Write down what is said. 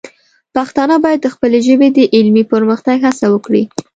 پښتانه باید د خپلې ژبې د علمي پرمختګ هڅه وکړي.